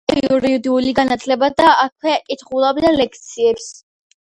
პრაღაში მიიღო იურიდული განათლება და აქვე კითხულობდა ლექციებს.